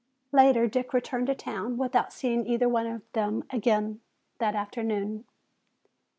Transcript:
Later, Dick returned to town without seeing either one of them again that afternoon.